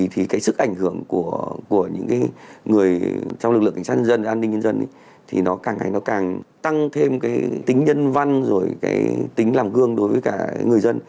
thì cái sức ảnh hưởng của những người trong lực lượng cảnh sát nhân dân an ninh nhân dân thì nó càng ngày nó càng tăng thêm cái tính nhân văn rồi cái tính làm gương đối với cả người dân